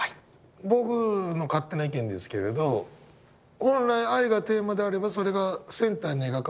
僕の勝手な意見ですけれど本来愛がテーマであればそれがセンターに描かれる。